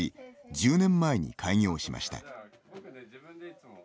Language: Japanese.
１０年前に開業しました。